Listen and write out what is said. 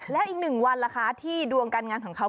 แล้วอีกหนึ่งวันล่ะคะที่ดวงการงานของเขา